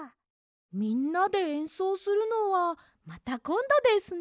みんなでえんそうするのはまたこんどですね。